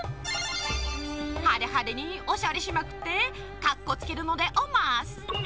ハデハデにおしゃれしまくってかっこつけるのでオマス！